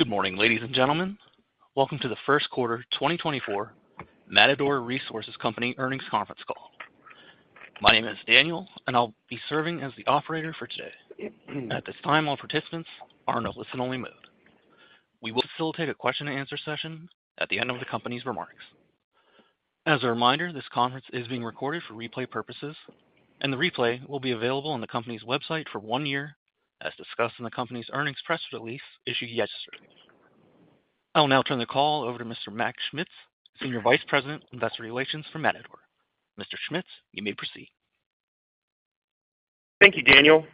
Good morning, ladies and gentlemen. Welcome to the first quarter 2024 Matador Resources Company earnings conference call. My name is Daniel, and I'll be serving as the operator for today. At this time, all participants are in a listen-only mode. We will facilitate a question-and-answer session at the end of the company's remarks. As a reminder, this conference is being recorded for replay purposes, and the replay will be available on the company's website for one year as discussed in the company's earnings press release issued yesterday. I will now turn the call over to Mr. Mac Schmitz, Senior Vice President, Investor Relations for Matador. Mr. Schmitz, you may proceed. Thank you, Daniel.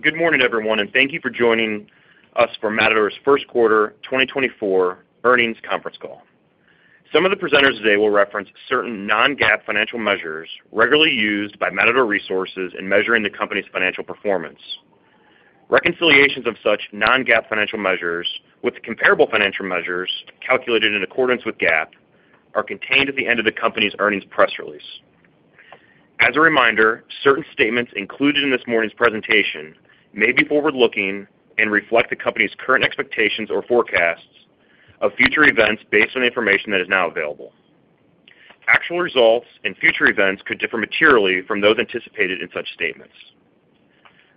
Good morning, everyone, and thank you for joining us for Matador's first quarter 2024 earnings conference call. Some of the presenters today will reference certain non-GAAP financial measures regularly used by Matador Resources in measuring the company's financial performance. Reconciliations of such non-GAAP financial measures with comparable financial measures calculated in accordance with GAAP are contained at the end of the company's earnings press release. As a reminder, certain statements included in this morning's presentation may be forward-looking and reflect the company's current expectations or forecasts of future events based on the information that is now available. Actual results and future events could differ materially from those anticipated in such statements.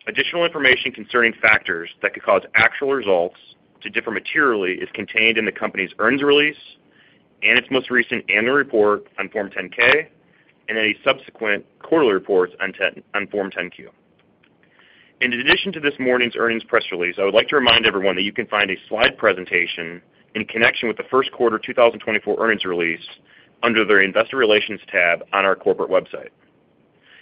Additional information concerning factors that could cause actual results to differ materially is contained in the company's earnings release and its most recent annual report on Form 10-K and any subsequent quarterly reports on Form 10-Q. In addition to this morning's earnings press release, I would like to remind everyone that you can find a slide presentation in connection with the first quarter 2024 earnings release under the Investor Relations tab on our corporate website.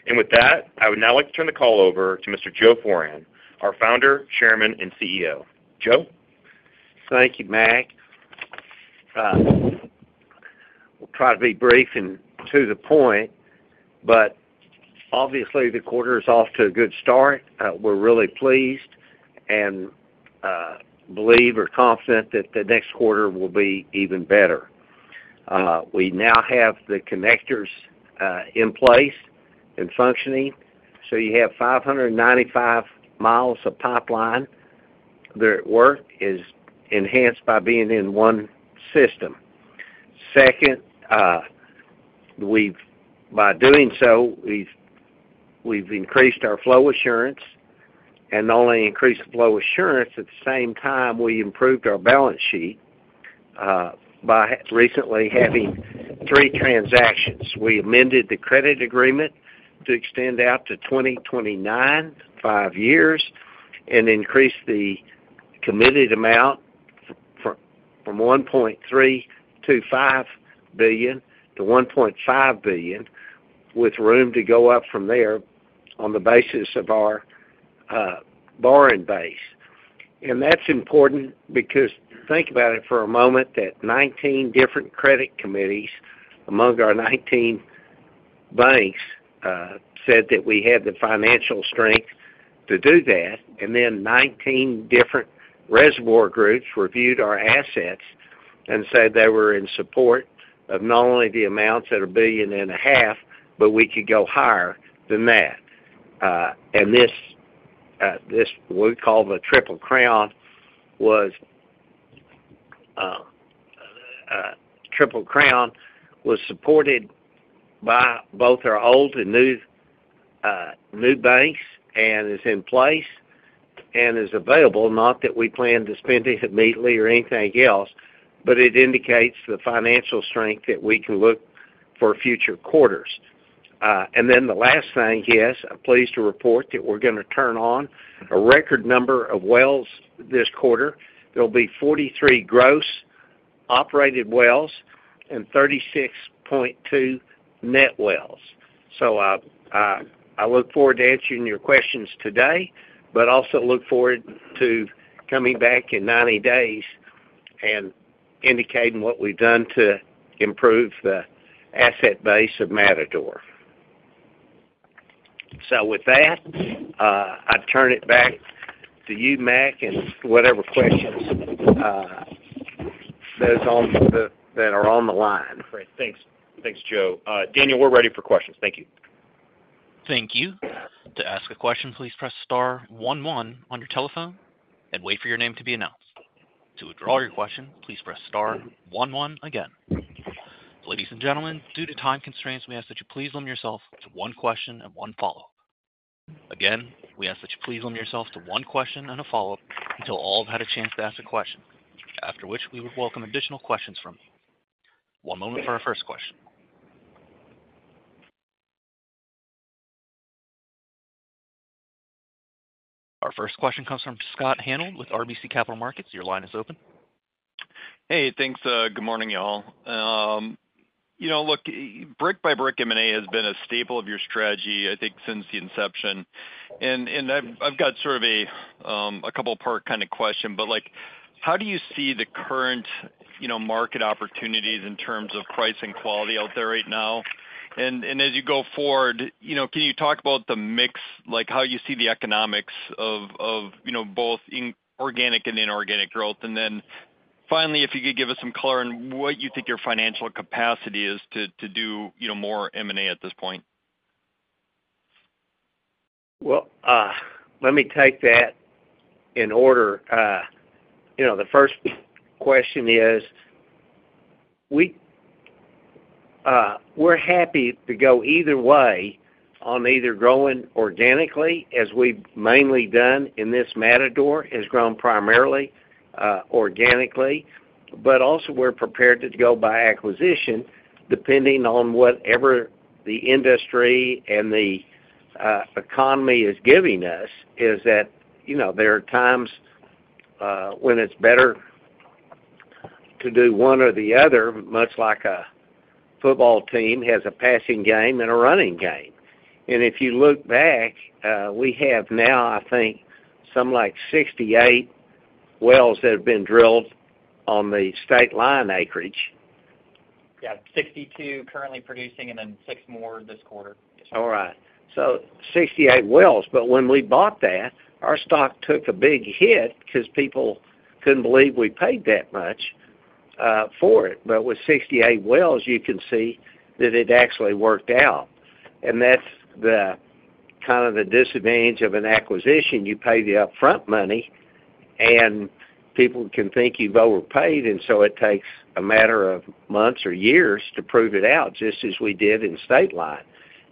With that, I would now like to turn the call over to Mr. Joe Foran, our founder, chairman, and CEO. Joe? Thank you, Mac. We'll try to be brief and to the point, but obviously, the quarter is off to a good start. We're really pleased and believe we're confident that the next quarter will be even better. We now have the connectors in place and functioning, so you have 595 miles of pipeline there at work. It's enhanced by being in one system. Second, by doing so, we've increased our flow assurance, and not only increased the flow assurance, at the same time, we improved our balance sheet by recently having three transactions. We amended the credit agreement to extend out to 2029, five years, and increased the committed amount from $1.325 billion-$1.5 billion, with room to go up from there on the basis of our borrowing base. That's important because think about it for a moment that 19 different credit committees among our 19 banks said that we had the financial strength to do that, and then 19 different reservoir groups reviewed our assets and said they were in support of not only the amounts that are $1.5 billion, but we could go higher than that. What we call the triple crown was supported by both our old and new banks and is in place and is available, not that we plan to spend it immediately or anything else, but it indicates the financial strength that we can look for future quarters. Then the last thing, yes, I'm pleased to report that we're going to turn on a record number of wells this quarter. There'll be 43 gross operated wells and 36.2 net wells. I look forward to answering your questions today, but also look forward to coming back in 90 days and indicating what we've done to improve the asset base of Matador. With that, I'd turn it back to you, Mac, and whatever questions that are on the line. Great. Thanks, Joe. Daniel, we're ready for questions. Thank you. Thank you. To ask a question, please press star one one on your telephone and wait for your name to be announced. To withdraw your question, please press star one one again. Ladies and gentlemen, due to time constraints, we ask that you please limit yourself to one question and one follow-up. Again, we ask that you please limit yourself to one question and a follow-up until all have had a chance to ask a question, after which we would welcome additional questions from you. One moment for our first question. Our first question comes from Scott Hanold with RBC Capital Markets. Your line is open. Hey, thanks. Good morning, y'all. Look, brick-by-brick M&A has been a staple of your strategy, I think, since the inception. And I've got sort of a couple-part kind of question, but how do you see the current market opportunities in terms of price and quality out there right now? And as you go forward, can you talk about the mix, how you see the economics of both organic and inorganic growth? And then finally, if you could give us some color on what you think your financial capacity is to do more M&A at this point. Well, let me take that in order. The first question is, we're happy to go either way on either growing organically, as we've mainly done in this Matador, has grown primarily organically, but also we're prepared to go by acquisition depending on whatever the industry and the economy is giving us, is that there are times when it's better to do one or the other, much like a football team has a passing game and a running game. And if you look back, we have now, I think, some like 68 wells that have been drilled on the Stateline acreage. Yeah, 62 currently producing and then six more this quarter. Yes, sir. All right. So 68 wells. But when we bought that, our stock took a big hit because people couldn't believe we paid that much for it. But with 68 wells, you can see that it actually worked out. And that's kind of the disadvantage of an acquisition. You pay the upfront money, and people can think you've overpaid, and so it takes a matter of months or years to prove it out, just as we did in Stateline.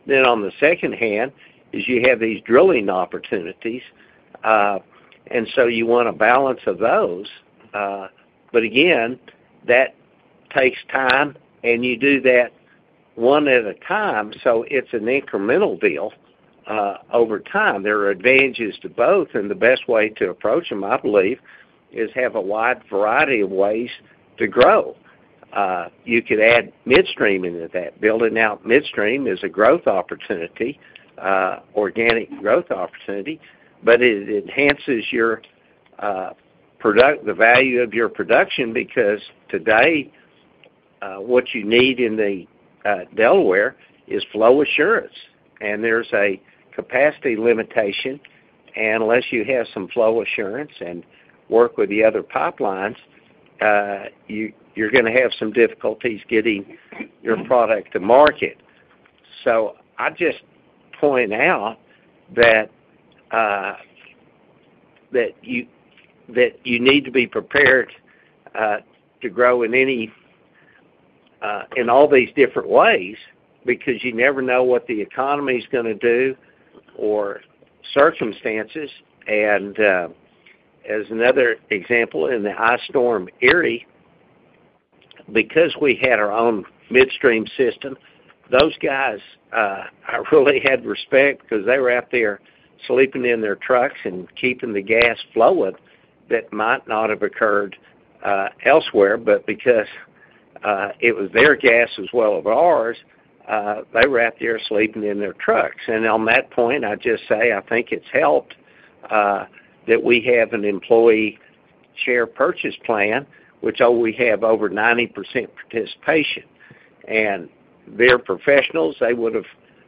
Then on the second hand, is you have these drilling opportunities, and so you want a balance of those. But again, that takes time, and you do that one at a time, so it's an incremental deal over time. There are advantages to both, and the best way to approach them, I believe, is have a wide variety of ways to grow. You could add midstream into that. Building out midstream is a growth opportunity, organic growth opportunity, but it enhances the value of your production because today, what you need in Delaware is flow assurance, and there's a capacity limitation. Unless you have some flow assurance and work with the other pipelines, you're going to have some difficulties getting your product to market. So I'd just point out that you need to be prepared to grow in all these different ways because you never know what the economy is going to do or circumstances. As another example, in the ice storm here, because we had our own midstream system, those guys I really had respect because they were out there sleeping in their trucks and keeping the gas flowing that might not have occurred elsewhere. But because it was their gas as well as ours, they were out there sleeping in their trucks. And on that point, I'd just say I think it's helped that we have an employee share purchase plan, which we have over 90% participation. And they're professionals. They would have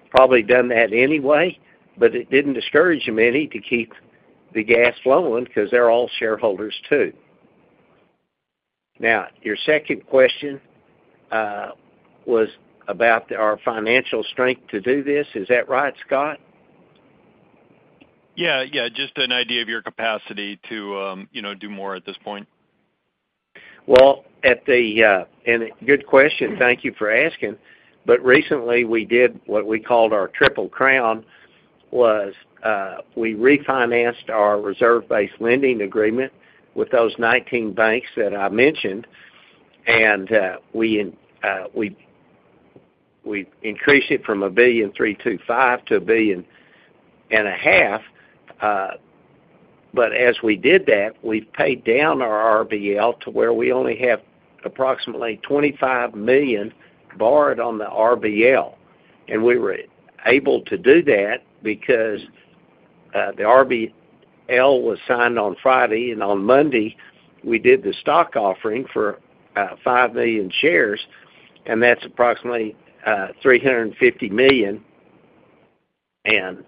probably done that anyway, but it didn't discourage many to keep the gas flowing because they're all shareholders too. Now, your second question was about our financial strength to do this. Is that right, Scott? Yeah. Yeah, just an idea of your capacity to do more at this point? Well, and good question. Thank you for asking. But recently, we did what we called our triple crown, was we refinanced our reserve-based lending agreement with those 19 banks that I mentioned, and we increased it from $1.325 billion-$1.5 billion. But as we did that, we've paid down our RBL to where we only have approximately $25 million borrowed on the RBL. And we were able to do that because the RBL was signed on Friday, and on Monday, we did the stock offering for five million shares, and that's approximately $350 million. And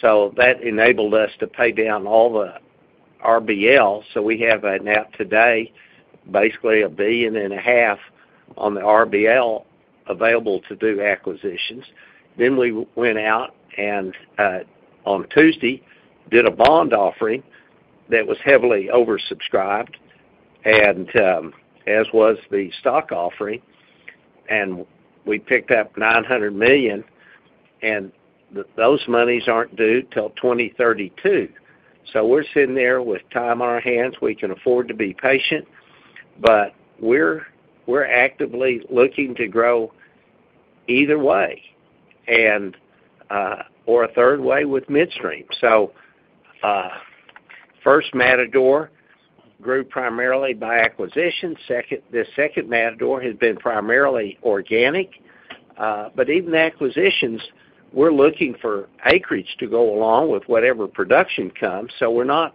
so that enabled us to pay down all the RBL. So we have now today, basically, $1.5 billion on the RBL available to do acquisitions. Then we went out and, on Tuesday, did a bond offering that was heavily oversubscribed, as was the stock offering, and we picked up $900 million. And those monies aren't due till 2032. So we're sitting there with time on our hands. We can afford to be patient, but we're actively looking to grow either way or a third way with midstream. So first, Matador grew primarily by acquisitions. This second Matador has been primarily organic. But even acquisitions, we're looking for acreage to go along with whatever production comes. So we're not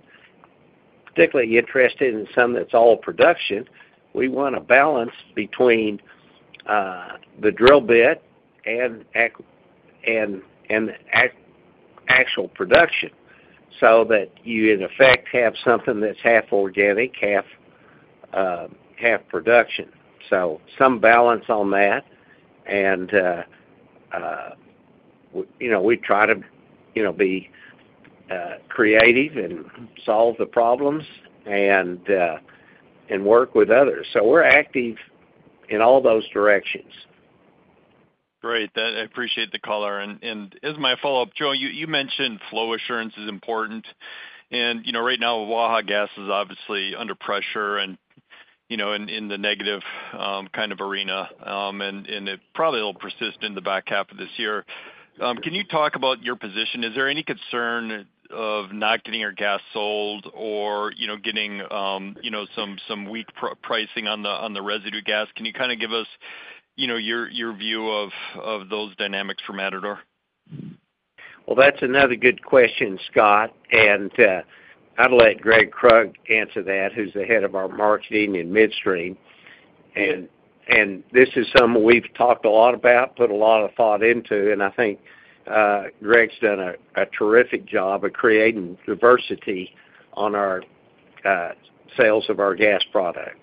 particularly interested in some that's all production. We want a balance between the drill bit and actual production so that you, in effect, have something that's half organic, half production. So some balance on that. And we try to be creative and solve the problems and work with others. So we're active in all those directions. Great. I appreciate the caller. As my follow-up, Joe, you mentioned flow assurance is important. Right now, Waha Gas is obviously under pressure and in the negative kind of arena, and it probably will persist in the back half of this year. Can you talk about your position? Is there any concern of not getting your gas sold or getting some weak pricing on the residue gas? Can you kind of give us your view of those dynamics for Matador? Well, that's another good question, Scott. I'll let Greg Krug answer that, who's the head of our marketing in midstream. This is something we've talked a lot about, put a lot of thought into, and I think Greg's done a terrific job of creating diversity on our sales of our gas product.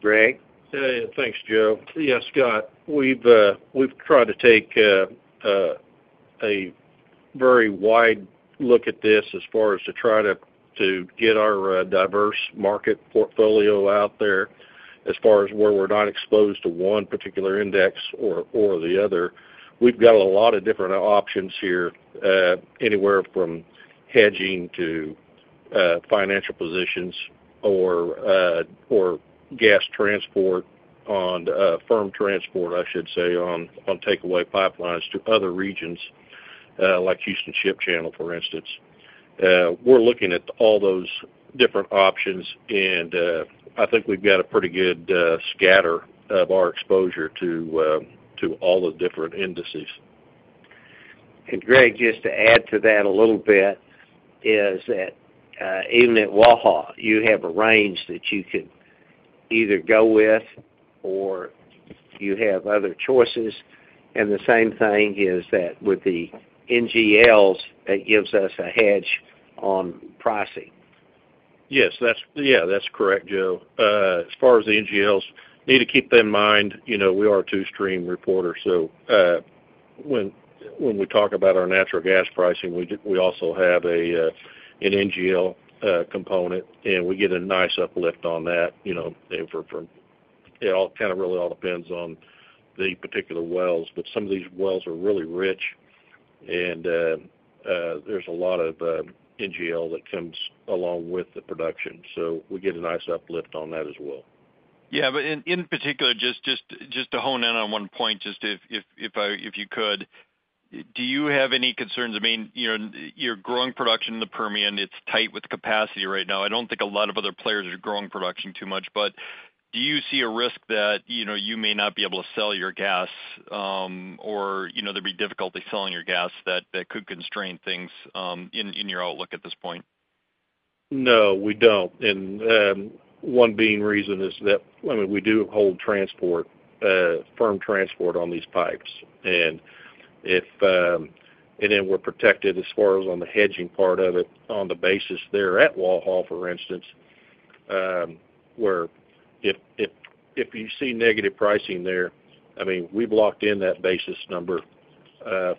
Greg? Yeah. Yeah. Thanks, Joe. Yeah, Scott, we've tried to take a very wide look at this as far as to try to get our diverse market portfolio out there as far as where we're not exposed to one particular index or the other. We've got a lot of different options here, anywhere from hedging to financial positions or gas transport on firm transport, I should say, on takeaway pipelines to other regions like Houston Ship Channel, for instance. We're looking at all those different options, and I think we've got a pretty good scatter of our exposure to all the different indices. Greg, just to add to that a little bit is that even at Waha, you have a range that you could either go with or you have other choices. The same thing is that with the NGLs, it gives us a hedge on pricing. Yes. Yeah, that's correct, Joe. As far as the NGLs, need to keep that in mind. We are a two-stream reporter. So when we talk about our natural gas pricing, we also have an NGL component, and we get a nice uplift on that. It all kind of really all depends on the particular wells. But some of these wells are really rich, and there's a lot of NGL that comes along with the production. So we get a nice uplift on that as well. Yeah. But in particular, just to hone in on one point, just if you could, do you have any concerns? I mean, you're growing production in the Permian. It's tight with capacity right now. I don't think a lot of other players are growing production too much. But do you see a risk that you may not be able to sell your gas or there'd be difficulty selling your gas that could constrain things in your outlook at this point? No, we don't. And one reason is that, I mean, we do hold firm transport on these pipes. And then we're protected as far as on the hedging part of it on the basis there at Waha, for instance, where if you see negative pricing there, I mean, we blocked in that basis number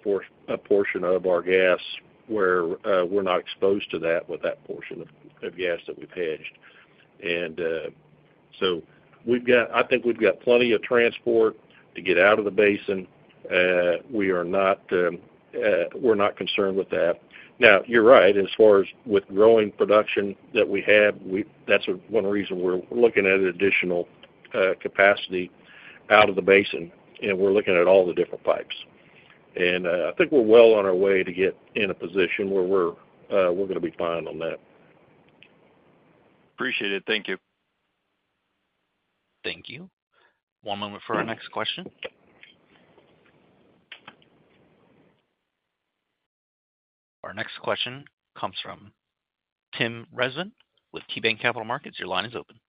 for a portion of our gas where we're not exposed to that with that portion of gas that we've hedged. And so I think we've got plenty of transport to get out of the basin. We're not concerned with that. Now, you're right. As far as with growing production that we have, that's one reason we're looking at additional capacity out of the basin, and we're looking at all the different pipes. And I think we're well on our way to get in a position where we're going to be fine on that. Appreciate it. Thank you. Thank you. One moment for our next question. Our next question comes from Tim Rezvin with KeyBanc Capital Markets. Your line is open.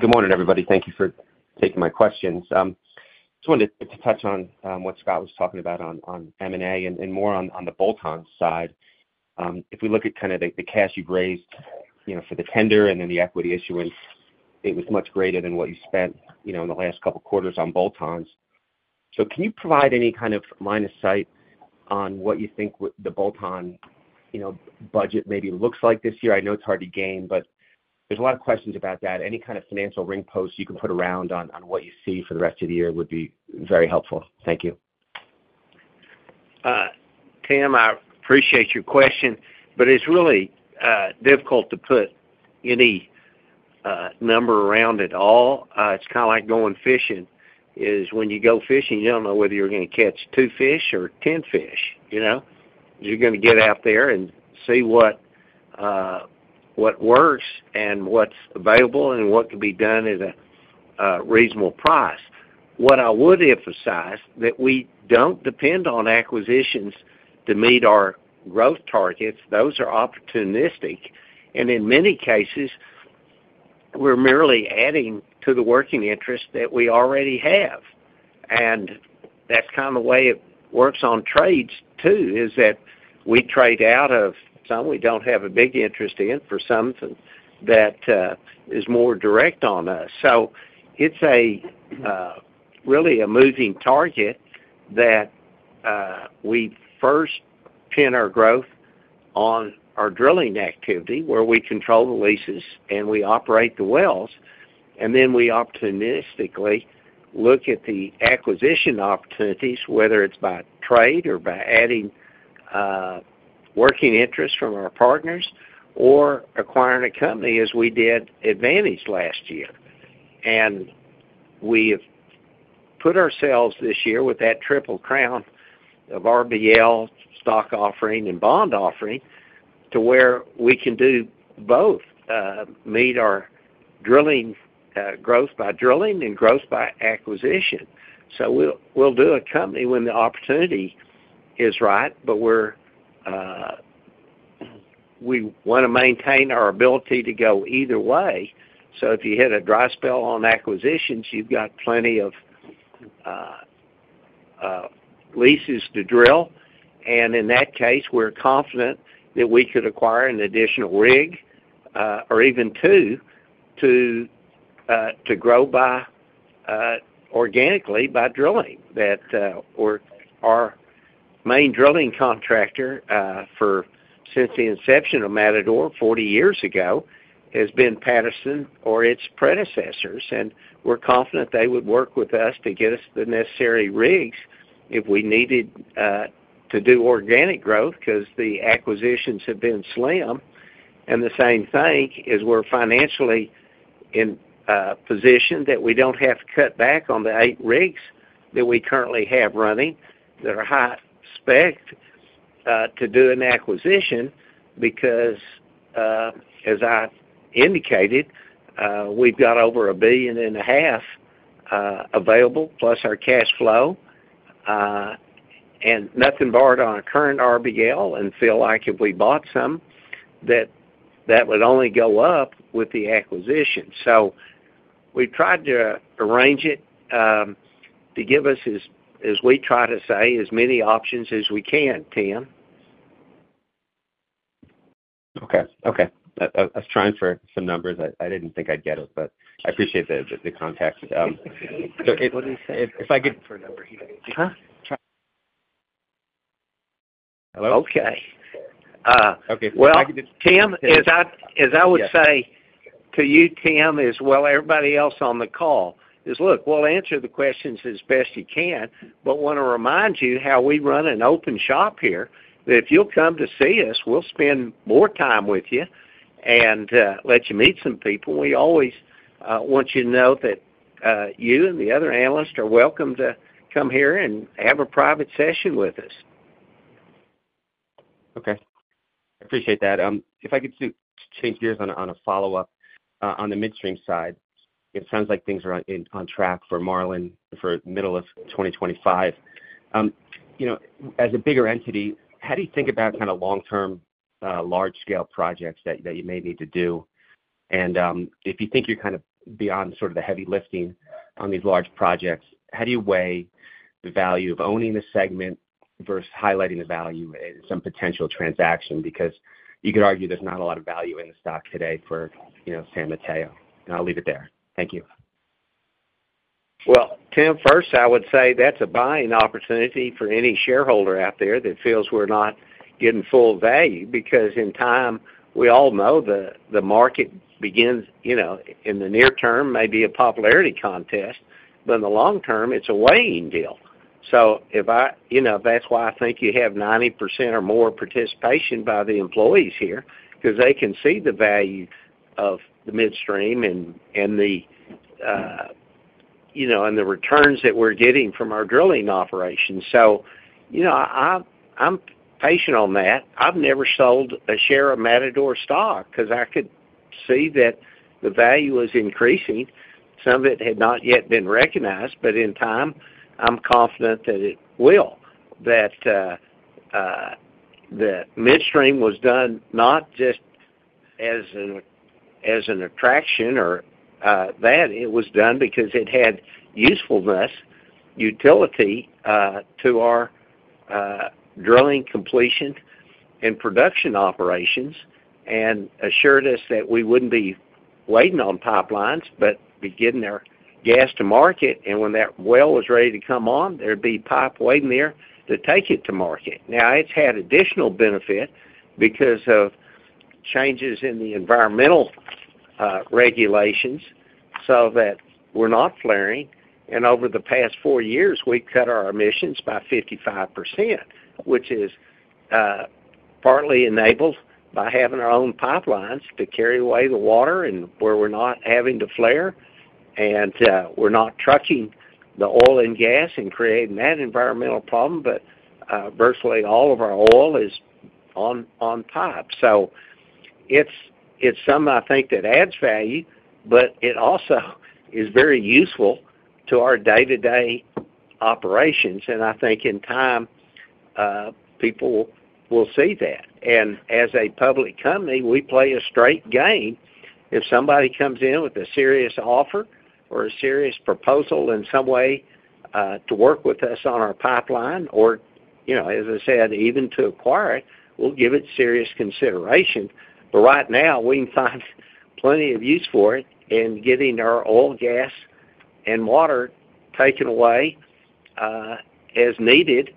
Good morning, everybody. Thank you for taking my questions. I just wanted to touch on what Scott was talking about on M&A and more on the bolt-on side. If we look at kind of the cash you've raised for the tender and then the equity issuance, it was much greater than what you spent in the last couple of quarters on bolt-ons. So can you provide any kind of line of sight on what you think the bolt-on budget maybe looks like this year? I know it's hard to gauge, but there's a lot of questions about that. Any kind of financial guardrails you can put around on what you see for the rest of the year would be very helpful. Thank you. Tim, I appreciate your question, but it's really difficult to put any number around at all. It's kind of like going fishing. When you go fishing, you don't know whether you're going to catch two fish or 10 fish. You're going to get out there and see what works and what's available and what can be done at a reasonable price. What I would emphasize, that we don't depend on acquisitions to meet our growth targets. Those are opportunistic. In many cases, we're merely adding to the working interest that we already have. That's kind of the way it works on trades too, is that we trade out of some we don't have a big interest in for something that is more direct on us. So it's really a moving target that we first pin our growth on our drilling activity where we control the leases and we operate the wells. And then we opportunistically look at the acquisition opportunities, whether it's by trade or by adding working interest from our partners or acquiring a company as we did Advance last year. And we have put ourselves this year with that triple crown of RBL stock offering and bond offering to where we can do both, meet our drilling growth by drilling and growth by acquisition. So we'll do a company when the opportunity is right, but we want to maintain our ability to go either way. So if you hit a dry spell on acquisitions, you've got plenty of leases to drill. And in that case, we're confident that we could acquire an additional rig or even two to grow organically by drilling. Our main drilling contractor since the inception of Matador 40 years ago has been Patterson or its predecessors. We're confident they would work with us to get us the necessary rigs if we needed to do organic growth because the acquisitions have been slim. The same thing is we're financially in a position that we don't have to cut back on the 8 rigs that we currently have running that are high spec to do an acquisition because, as I indicated, we've got over $1.5 billion available plus our cash flow and nothing borrowed on a current RBL and feel like if we bought some, that would only go up with the acquisition. We've tried to arrange it to give us, as we try to say, as many options as we can, Tim. Okay. Okay. I was trying for some numbers. I didn't think I'd get them, but I appreciate the contact. So what did you say? If I could. Hello? Okay. Well, Tim, as I would say to you, Tim, as well as everybody else on the call, is, "Look, we'll answer the questions as best you can, but want to remind you how we run an open shop here, that if you'll come to see us, we'll spend more time with you and let you meet some people. We always want you to know that you and the other analysts are welcome to come here and have a private session with us. Okay. I appreciate that. If I could change gears on a follow-up, on the midstream side, it sounds like things are on track for Marlan for the middle of 2025. As a bigger entity, how do you think about kind of long-term, large-scale projects that you may need to do? And if you think you're kind of beyond sort of the heavy lifting on these large projects, how do you weigh the value of owning the segment versus highlighting the value in some potential transaction? Because you could argue there's not a lot of value in the stock today for San Mateo. And I'll leave it there. Thank you. Well, Tim, first, I would say that's a buying opportunity for any shareholder out there that feels we're not getting full value because in time, we all know the market begins in the near term, maybe a popularity contest, but in the long term, it's a weighing deal. So that's why I think you have 90% or more participation by the employees here because they can see the value of the midstream and the returns that we're getting from our drilling operations. So I'm patient on that. I've never sold a share of Matador stock because I could see that the value is increasing. Some of it had not yet been recognized, but in time, I'm confident that it will, that the midstream was done not just as an attraction or that. It was done because it had usefulness, utility to our drilling completion and production operations and assured us that we wouldn't be waiting on pipelines but be getting our gas to market. And when that well was ready to come on, there'd be pipe waiting there to take it to market. Now, it's had additional benefit because of changes in the environmental regulations so that we're not flaring. And over the past four years, we've cut our emissions by 55%, which is partly enabled by having our own pipelines to carry away the water and where we're not having to flare. And we're not trucking the oil and gas and creating that environmental problem, but virtually all of our oil is on pipes. So it's something, I think, that adds value, but it also is very useful to our day-to-day operations. And I think in time, people will see that. As a public company, we play a straight game. If somebody comes in with a serious offer or a serious proposal in some way to work with us on our pipeline or, as I said, even to acquire it, we'll give it serious consideration. But right now, we can find plenty of use for it in getting our oil, gas, and water taken away as needed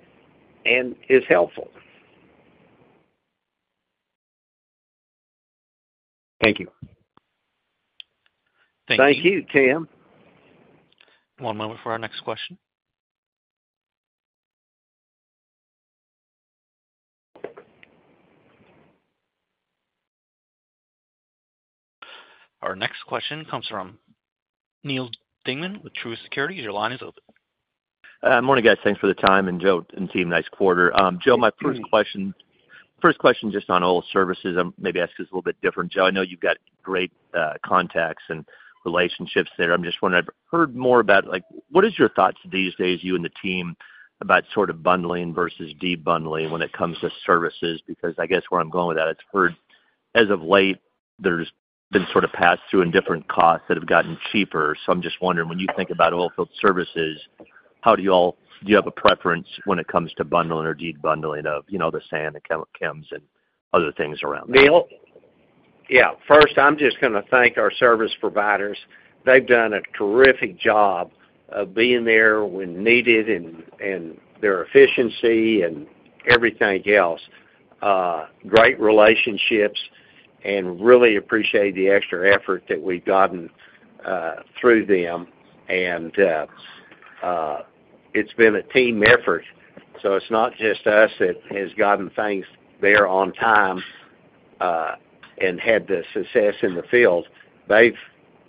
and is helpful. Thank you. Thank you. Thank you, Tim. One moment for our next question. Our next question comes from Neal Dingmann with Truist Securities. Your line is open. Morning, guys. Thanks for the time. And Joe, and Tim, nice quarter. Joe, my first question just on oil services, maybe ask this a little bit different. Joe, I know you've got great contacts and relationships there. I'm just wondering, I've heard more about what is your thoughts these days, you and the team, about sort of bundling versus debundling when it comes to services? Because I guess where I'm going with that, I've heard as of late, there's been sort of passed through in different costs that have gotten cheaper. So I'm just wondering, when you think about oilfield services, do you have a preference when it comes to bundling or debundling of the sand and chems and other things around that? Yeah. First, I'm just going to thank our service providers. They've done a terrific job of being there when needed and their efficiency and everything else. Great relationships. And really appreciate the extra effort that we've gotten through them. And it's been a team effort. So it's not just us that has gotten things there on time and had the success in the field. They've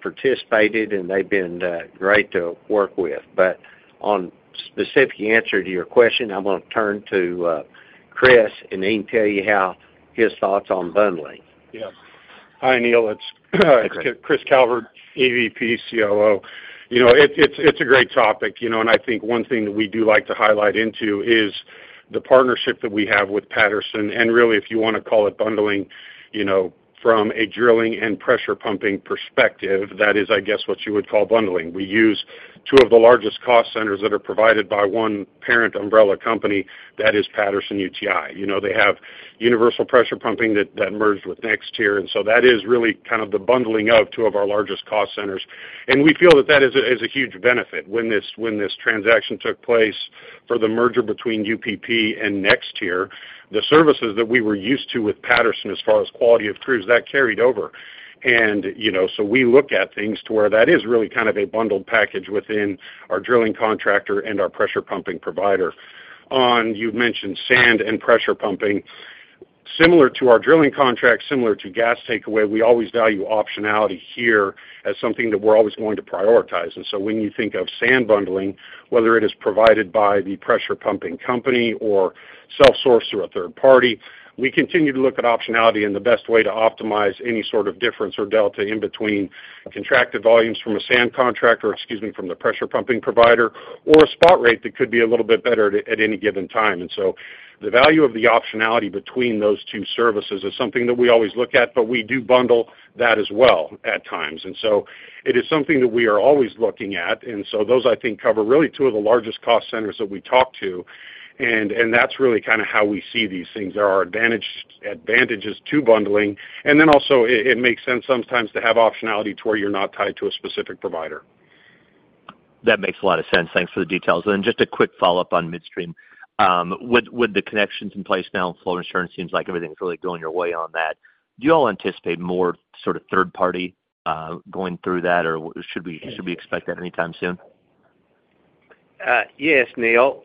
participated, and they've been great to work with. But on specific answer to your question, I'm going to turn to Chris and he can tell you how his thoughts on bundling. Yeah. Hi, Neal. It's Chris Calvert, EVP COO. It's a great topic. I think one thing that we do like to highlight into is the partnership that we have with Patterson-UTI. Really, if you want to call it bundling from a drilling and pressure pumping perspective, that is, I guess, what you would call bundling. We use two of the largest cost centers that are provided by one parent umbrella company. That is Patterson-UTI. They have Universal Pressure Pumping that merged with NexTier. So that is really kind of the bundling of two of our largest cost centers. We feel that that is a huge benefit. When this transaction took place for the merger between UPP and NexTier, the services that we were used to with Patterson-UTI as far as quality of crews, that carried over. And so we look at things to where that is really kind of a bundled package within our drilling contractor and our pressure pumping provider. You've mentioned sand and pressure pumping. Similar to our drilling contract, similar to gas takeaway, we always value optionality here as something that we're always going to prioritize. And so when you think of sand bundling, whether it is provided by the pressure pumping company or self-sourced through a third party, we continue to look at optionality and the best way to optimize any sort of difference or delta in between contracted volumes from a sand contractor - excuse me - from the pressure pumping provider or a spot rate that could be a little bit better at any given time. The value of the optionality between those two services is something that we always look at, but we do bundle that as well at times. It is something that we are always looking at. Those, I think, cover really two of the largest cost centers that we talk to. And that's really kind of how we see these things. There are advantages to bundling. Then also, it makes sense sometimes to have optionality to where you're not tied to a specific provider. That makes a lot of sense. Thanks for the details. Then just a quick follow-up on midstream. With the connections in place now, flow assurance seems like everything's really going your way on that. Do you all anticipate more sort of third-party going through that, or should we expect that anytime soon? Yes, Neal.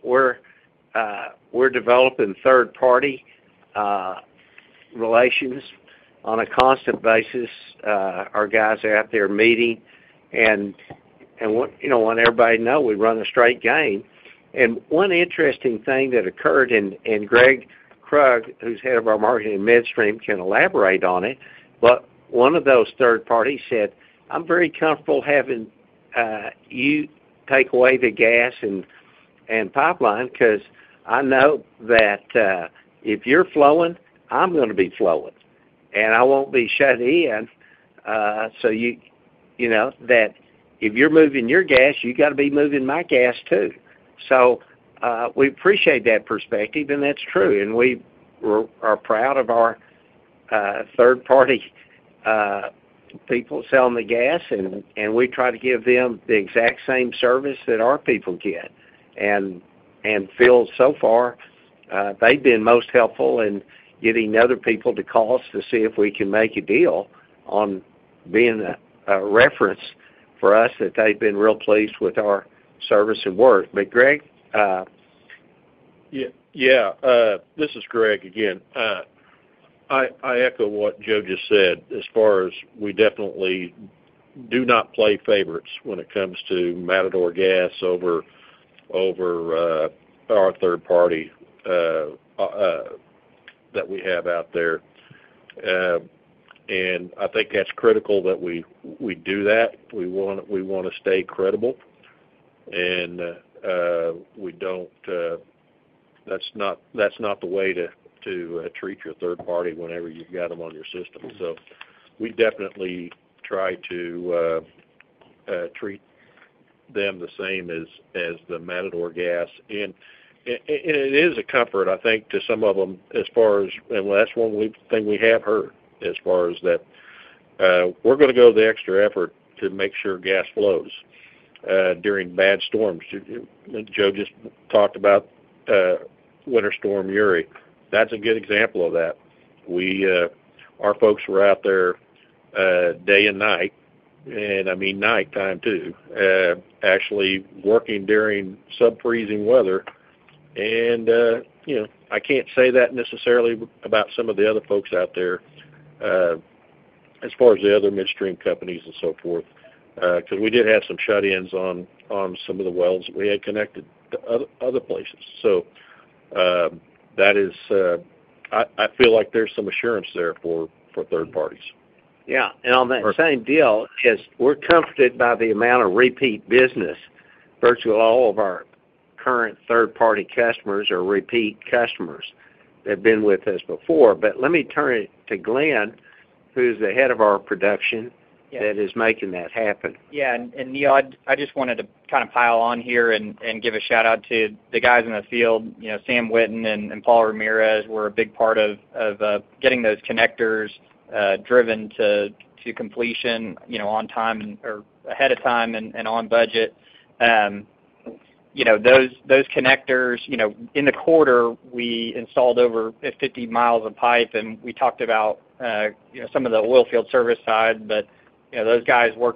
We're developing third-party relations on a constant basis. Our guys are out there meeting. And I want everybody to know we run a straight game. And one interesting thing that occurred, and Greg Krug, who's head of our marketing in midstream, can elaborate on it, but one of those third parties said, "I'm very comfortable having you take away the gas and pipeline because I know that if you're flowing, I'm going to be flowing. And I won't be shut in so that if you're moving your gas, you got to be moving my gas too." So we appreciate that perspective, and that's true. And we are proud of our third-party people selling the gas, and we try to give them the exact same service that our people get. So far, they've been most helpful in getting other people to call us to see if we can make a deal on being a reference for us, that they've been real pleased with our service and work. But Greg. Yeah. This is Greg again. I echo what Joe just said as far as we definitely do not play favorites when it comes to Matador Gas over our third party that we have out there. And I think that's critical that we do that. We want to stay credible. And that's not the way to treat your third party whenever you've got them on your system. So we definitely try to treat them the same as the Matador Gas. And it is a comfort, I think, to some of them as far as and that's one thing we have heard as far as that we're going to go the extra effort to make sure gas flows during bad storms. Joe just talked about Winter Storm Uri. That's a good example of that. Our folks were out there day and night, and I mean nighttime too, actually working during sub-freezing weather. And I can't say that necessarily about some of the other folks out there as far as the other midstream companies and so forth because we did have some shut-ins on some of the wells that we had connected to other places. So I feel like there's some assurance there for third parties. Yeah. On that same deal, we're comforted by the amount of repeat business. Virtually all of our current third-party customers are repeat customers. They've been with us before. Let me turn it to Glenn, who's the head of our production, that is making that happen. Yeah. And Neal, I just wanted to kind of pile on here and give a shout-out to the guys in the field. Sam Whitten and Paul Ramirez were a big part of getting those connectors driven to completion on time or ahead of time and on budget. Those connectors, in the quarter, we installed over 50 miles of pipe, and we talked about some of the oilfield service side. But those guys, our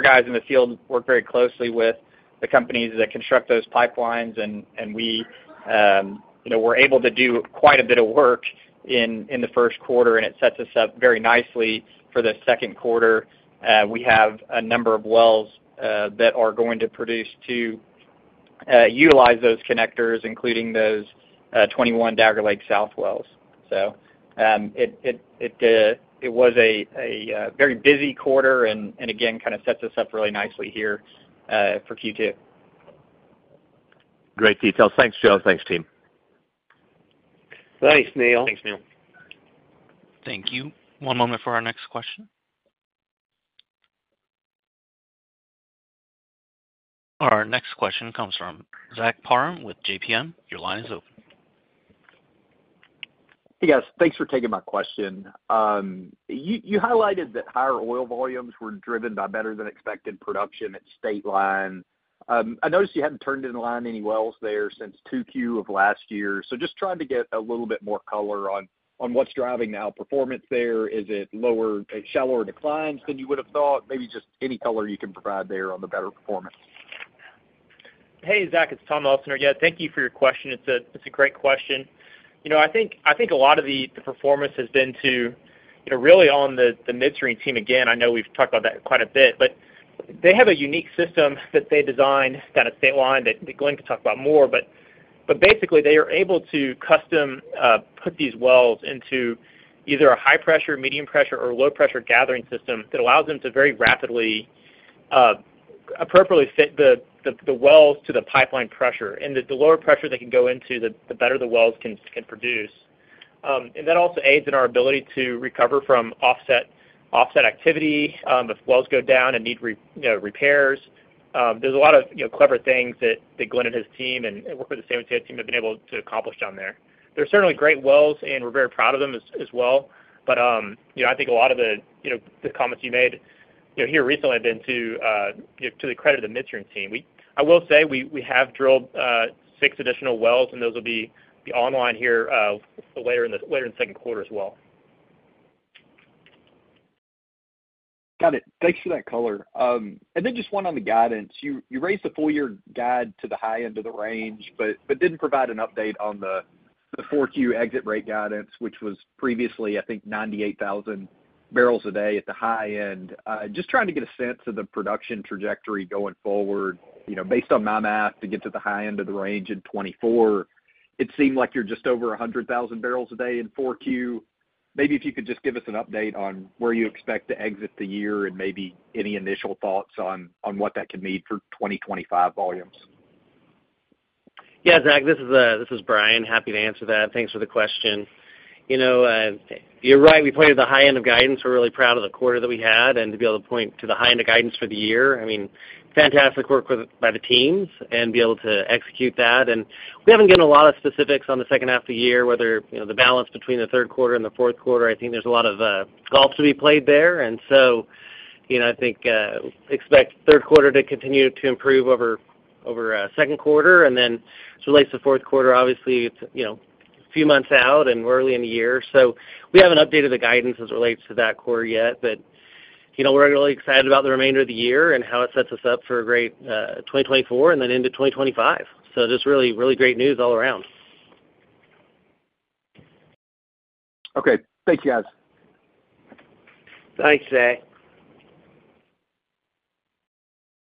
guys in the field, work very closely with the companies that construct those pipelines, and we were able to do quite a bit of work in the first quarter, and it sets us up very nicely for the second quarter. We have a number of wells that are going to produce to utilize those connectors, including those 21 Dagger Lake South wells. So it was a very busy quarter and, again, kind of sets us up really nicely here for Q2. Great details. Thanks, Joe. Thanks, Tim. Thanks, Neal. Thanks, Neal. Thank you. One moment for our next question. Our next question comes from Zach Parham with JPM. Your line is open. Yes. Thanks for taking my question. You highlighted that higher oil volumes were driven by better-than-expected production at Stateline. I noticed you hadn't turned in line any wells there since 2Q of last year. So just trying to get a little bit more color on what's driving now. Performance there? Is it shallower declines than you would have thought? Maybe just any color you can provide there on the better performance. Hey, Zach. It's Tom Elsener again. Thank you for your question. It's a great question. I think a lot of the performance has been to really on the midstream team. Again, I know we've talked about that quite a bit, but they have a unique system that they designed down at Stateline that Glenn can talk about more. But basically, they are able to custom put these wells into either a high-pressure, medium-pressure, or low-pressure gathering system that allows them to very rapidly, appropriately fit the wells to the pipeline pressure. And the lower pressure they can go into, the better the wells can produce. And that also aids in our ability to recover from offset activity if wells go down and need repairs. There's a lot of clever things that Glenn and his team and work with the same team have been able to accomplish down there. There are certainly great wells, and we're very proud of them as well. But I think a lot of the comments you made here recently have been to the credit of the midstream team. I will say we have drilled six additional wells, and those will be online here later in the second quarter as well. Got it. Thanks for that color. And then just one on the guidance. You raised the full-year guide to the high end of the range but didn't provide an update on the 4Q exit rate guidance, which was previously, I think, 98,000 barrels a day at the high end. Just trying to get a sense of the production trajectory going forward. Based on my math, to get to the high end of the range in 2024, it seemed like you're just over 100,000 barrels a day in 4Q. Maybe if you could just give us an update on where you expect to exit the year and maybe any initial thoughts on what that could mean for 2025 volumes. Yeah, Zach. This is Brian. Happy to answer that. Thanks for the question. You're right. We pointed to the high end of guidance. We're really proud of the quarter that we had. And to be able to point to the high end of guidance for the year, I mean, fantastic work by the teams and be able to execute that. And we haven't given a lot of specifics on the second half of the year, whether the balance between the third quarter and the fourth quarter. I think there's a lot of golf to be played there. And so I think expect third quarter to continue to improve over second quarter. And then as it relates to fourth quarter, obviously, it's a few months out and early in the year. So we haven't updated the guidance as it relates to that quarter yet. We're really excited about the remainder of the year and how it sets us up for a great 2024 and then into 2025. Just really, really great news all around. Okay. Thanks, guys. Thanks, Zach.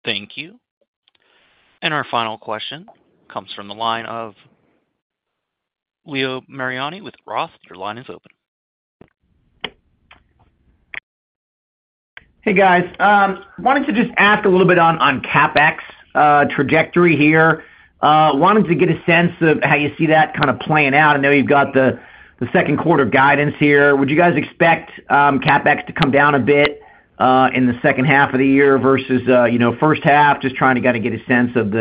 Thank you. And our final question comes from the line of Leo Mariani with Roth. Your line is open. Hey, guys. Wanted to just ask a little bit on CapEx trajectory here. Wanted to get a sense of how you see that kind of playing out. I know you've got the second quarter guidance here. Would you guys expect CapEx to come down a bit in the second half of the year versus first half? Just trying to kind of get a sense of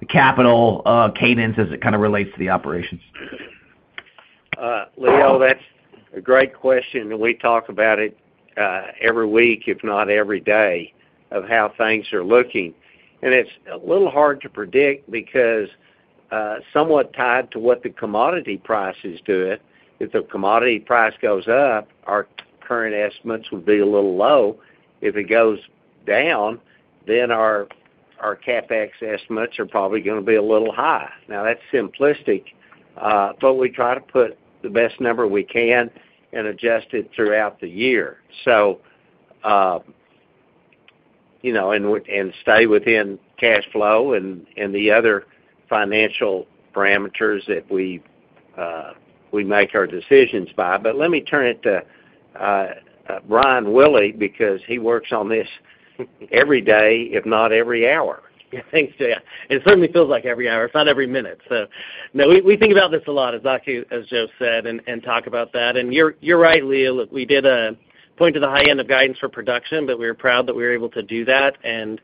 the capital cadence as it kind of relates to the operations. Leo, that's a great question. We talk about it every week, if not every day, of how things are looking. It's a little hard to predict because somewhat tied to what the commodity prices do it. If the commodity price goes up, our current estimates would be a little low. If it goes down, then our CapEx estimates are probably going to be a little high. Now, that's simplistic, but we try to put the best number we can and adjust it throughout the year and stay within cash flow and the other financial parameters that we make our decisions by. But let me turn it to Brian Willey because he works on this every day, if not every hour. Thanks, Zach. It certainly feels like every hour. It's not every minute. So no, we think about this a lot, as Joe said, and talk about that. You're right, Leo. We did point to the high end of guidance for production, but we were proud that we were able to do that and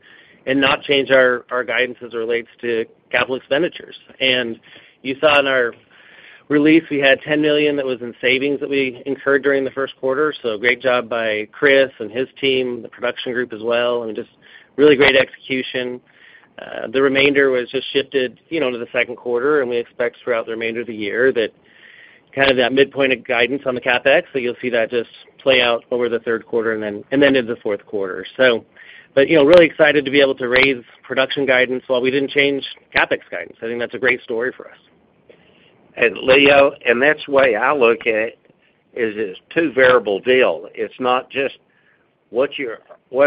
not change our guidance as it relates to capital expenditures. You saw in our release, we had $10 million that was in savings that we incurred during the first quarter. So great job by Chris and his team, the production group as well. I mean, just really great execution. The remainder was just shifted into the second quarter, and we expect throughout the remainder of the year that kind of that midpoint of guidance on the CapEx, that you'll see that just play out over the third quarter and then into the fourth quarter. Really excited to be able to raise production guidance while we didn't change CapEx guidance. I think that's a great story for us. Leo, that's the way I look at it, is it's a two-variable deal. It's not just what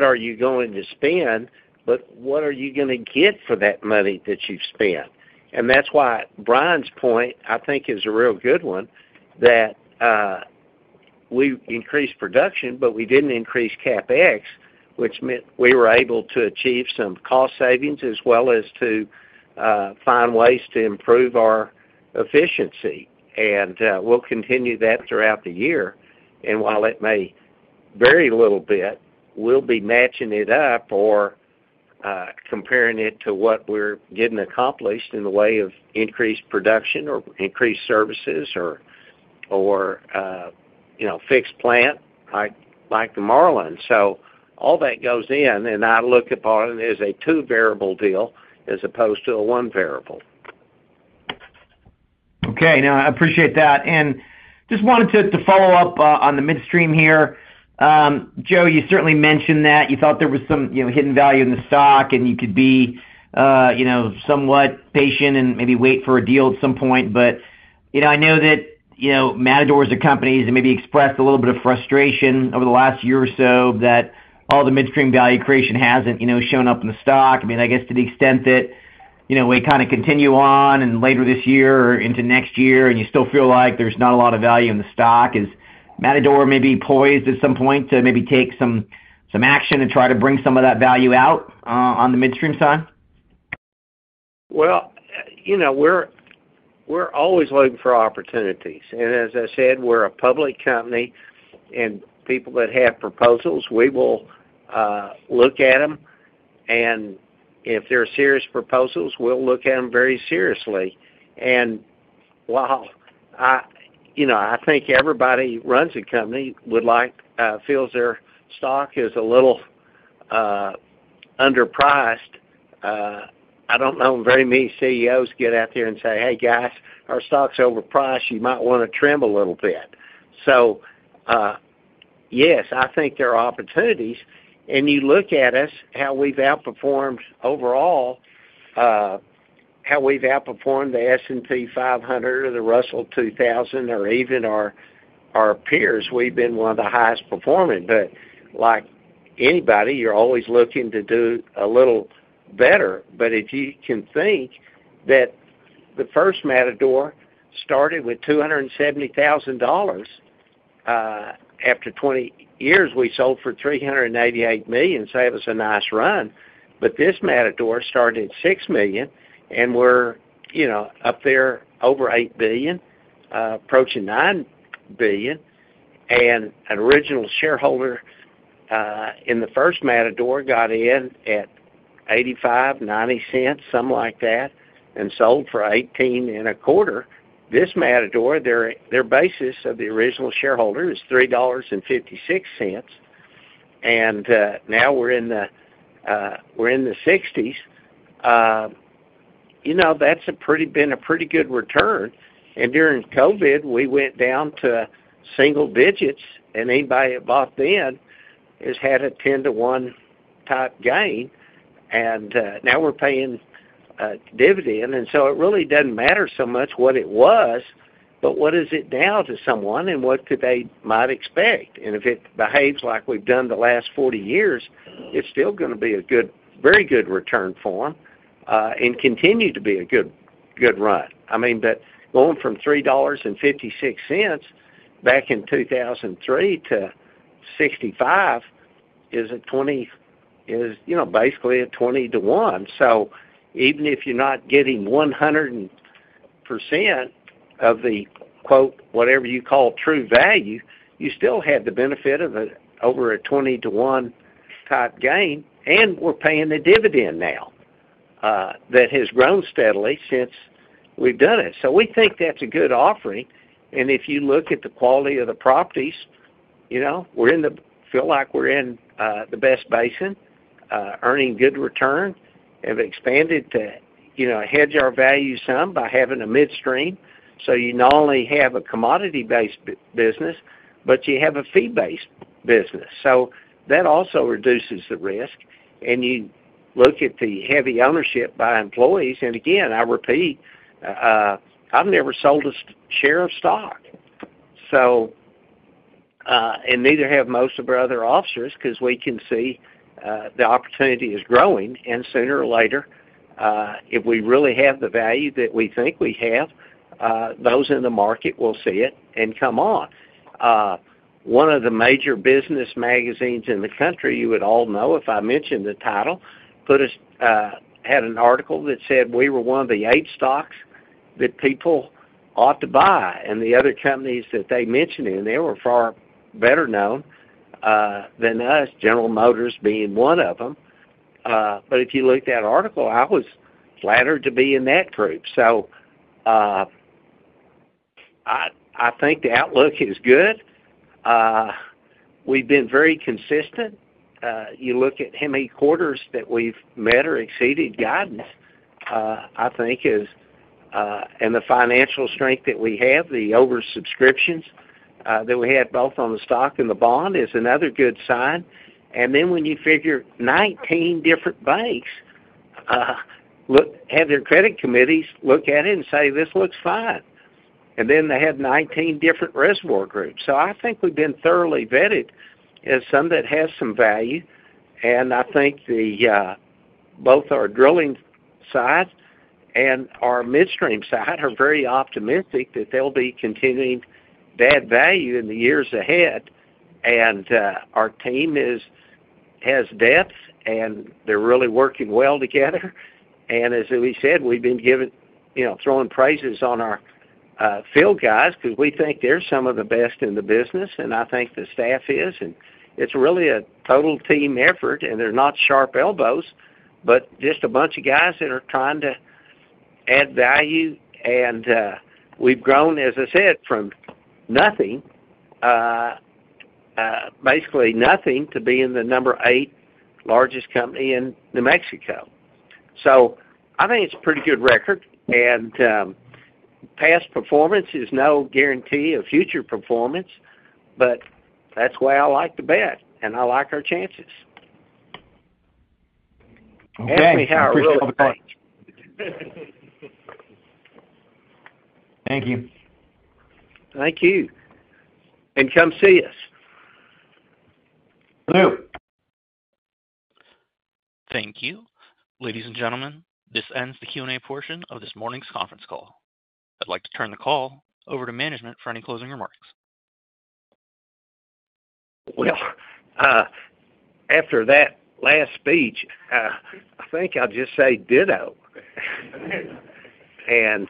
are you going to spend, but what are you going to get for that money that you've spent? That's why Brian's point, I think, is a real good one, that we increased production, but we didn't increase CapEx, which meant we were able to achieve some cost savings as well as to find ways to improve our efficiency. We'll continue that throughout the year. While it may vary a little bit, we'll be matching it up or comparing it to what we're getting accomplished in the way of increased production or increased services or fixed plant like the Marlan. So all that goes in, and I look upon it as a two-variable deal as opposed to a one-variable. Okay. No, I appreciate that. And just wanted to follow up on the midstream here. Joe, you certainly mentioned that you thought there was some hidden value in the stock, and you could be somewhat patient and maybe wait for a deal at some point. But I know that Matador is a company that maybe expressed a little bit of frustration over the last year or so that all the midstream value creation hasn't shown up in the stock. I mean, I guess to the extent that we kind of continue on and later this year or into next year, and you still feel like there's not a lot of value in the stock, is Matador maybe poised at some point to maybe take some action to try to bring some of that value out on the midstream side? Well, we're always looking for opportunities. And as I said, we're a public company, and people that have proposals, we will look at them. And if there are serious proposals, we'll look at them very seriously. And while I think everybody who runs a company feels their stock is a little underpriced, I don't know very many CEOs get out there and say, "Hey, guys, our stock's overpriced. You might want to trim a little bit." So yes, I think there are opportunities. And you look at us, how we've outperformed overall, how we've outperformed the S&P 500 or the Russell 2000 or even our peers, we've been one of the highest performing. But like anybody, you're always looking to do a little better. But if you can think that the first Matador started with $270,000. After 20 years, we sold for $388 million and saved us a nice run. But this Matador started at $6 million, and we're up there over $8 billion, approaching $9 billion. And an original shareholder in the first Matador got in at $0.85-$0.90, something like that, and sold for $18.25. This Matador, their basis of the original shareholder is $3.56. And now we're in the $60s. That's been a pretty good return. And during COVID, we went down to single digits, and anybody that bought then has had a 10-to-1 type gain. And now we're paying dividend. And so it really doesn't macer so much what it was, but what is it now to someone, and what could they might expect? And if it behaves like we've done the last 40 years, it's still going to be a very good return for them and continue to be a good run. I mean, but going from $3.56 back in 2003 to $65 is basically a 20-to-1. So even if you're not getting 100% of the "whatever you call true value," you still have the benefit of over a 20-to-1 type gain. And we're paying the dividend now that has grown steadily since we've done it. So we think that's a good offering. And if you look at the quality of the properties, we feel like we're in the best basin, earning good return. Have expanded to hedge our value some by having a midstream. So you not only have a commodity-based business, but you have a fee-based business. So that also reduces the risk. And you look at the heavy ownership by employees. Again, I repeat, I've never sold a share of stock and neither have most of our other officers because we can see the opportunity is growing. Sooner or later, if we really have the value that we think we have, those in the market will see it and come on. One of the major business magazines in the country, you would all know if I mentioned the title, had an article that said we were one of the eight stocks that people ought to buy. The other companies that they mentioned in, they were far better known than us, General Motors being one of them. But if you looked at that article, I was flattered to be in that group. I think the outlook is good. We've been very consistent. You look at how many quarters that we've met or exceeded guidance, I think, and the financial strength that we have, the oversubscriptions that we had both on the stock and the bond is another good sign. And then when you figure 19 different banks have their credit committees look at it and say, "This looks fine." And then they have 19 different reservoir groups. So I think we've been thoroughly vetted as some that has some value. And I think both our drilling side and our midstream side are very optimistic that they'll be continuing that value in the years ahead. And our team has depth, and they're really working well together. And as we said, we've been throwing praises on our field guys because we think they're some of the best in the business, and I think the staff is. It's really a total team effort, and they're not sharp elbows, but just a bunch of guys that are trying to add value. We've grown, as I said, from basically nothing to be the number 8 largest company in New Mexico. I think it's a pretty good record. Past performance is no guarantee of future performance, but that's why I like to bet, and I like our chances. Ask me how I roll. Thank you. Thank you. Come see us. Hello. Thank you. Ladies and gentlemen, this ends the Q&A portion of this morning's conference call. I'd like to turn the call over to management for any closing remarks. Well, after that last speech, I think I'll just say ditto and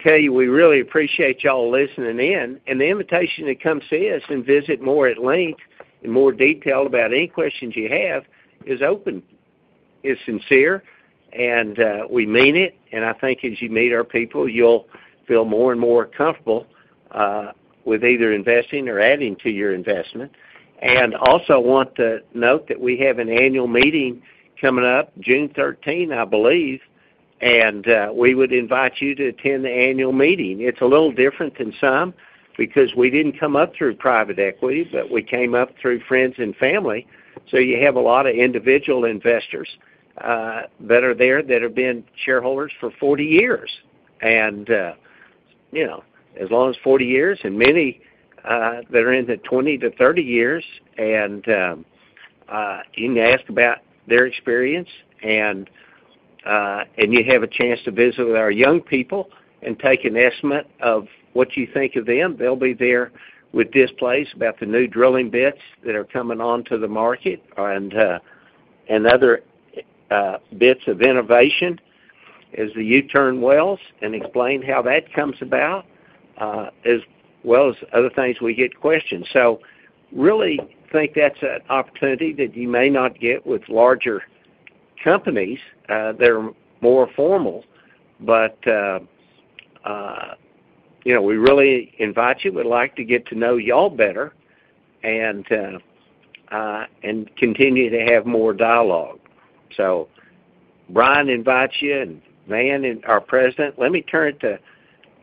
tell you we really appreciate y'all listening in. The invitation to come see us and visit more at length and more detailed about any questions you have is open, is sincere, and we mean it. I think as you meet our people, you'll feel more and more comfortable with either investing or adding to your investment. Also want to note that we have an annual meeting coming up June 13, I believe. We would invite you to attend the annual meeting. It's a little different than some because we didn't come up through private equity, but we came up through friends and family. You have a lot of individual investors that are there that have been shareholders for 40 years. And as long as 40 years and many that are in the 20-30 years, and you can ask about their experience. And you have a chance to visit with our young people and take an estimate of what you think of them. They'll be there with displays about the new drilling bits that are coming onto the market and other bits of innovation as the U-turn wells and explain how that comes about as well as other things we get questioned. So really think that's an opportunity that you may not get with larger companies that are more formal. But we really invite you, would like to get to know y'all better and continue to have more dialogue. So Brian invites you and Van, our President. Let me turn it to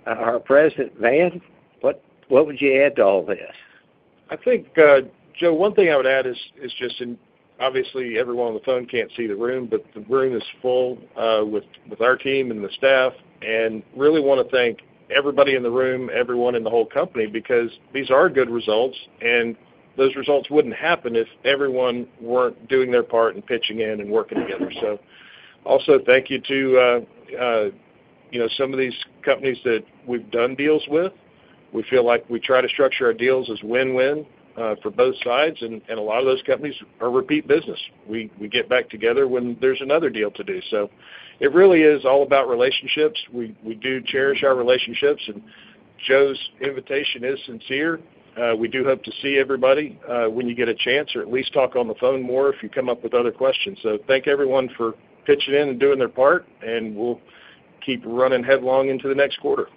our President, Van. What would you add to all this? I think, Joe, one thing I would add is just obviously, everyone on the phone can't see the room, but the room is full with our team and the staff. Really want to thank everybody in the room, everyone in the whole company because these are good results. Those results wouldn't happen if everyone weren't doing their part and pitching in and working together. Also thank you to some of these companies that we've done deals with. We feel like we try to structure our deals as win-win for both sides. A lot of those companies are repeat business. We get back together when there's another deal to do. It really is all about relationships. We do cherish our relationships. Joe's invitation is sincere. We do hope to see everybody when you get a chance or at least talk on the phone more if you come up with other questions. So thank everyone for pitching in and doing their part, and we'll keep running headlong into the next quarter.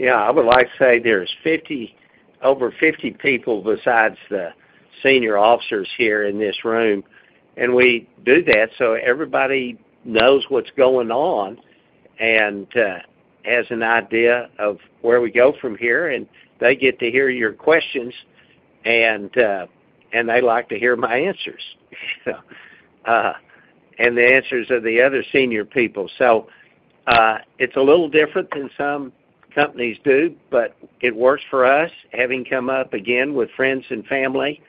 Yeah. I would like to say there's over 50 people besides the senior officers here in this room. We do that so everybody knows what's going on and has an idea of where we go from here. They get to hear your questions, and they like to hear my answers and the answers of the other senior people. So it's a little different than some companies do, but it works for us having come up again with friends and family.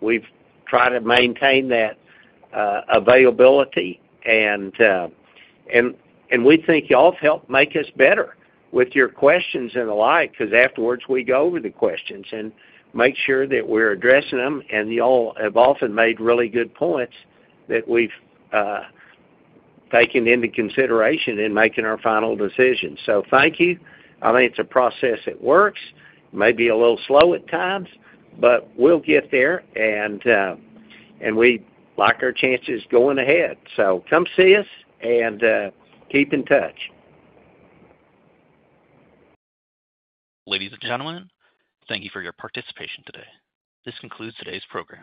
We've tried to maintain that availability. We think y'all have helped make us better with your questions and the like because afterwards, we go over the questions and make sure that we're addressing them. Y'all have often made really good points that we've taken into consideration in making our final decisions. So thank you. I mean, it's a process that works, maybe a little slow at times, but we'll get there. And we like our chances going ahead. So come see us and keep in touch. Ladies and gentlemen, thank you for your participation today. This concludes today's program.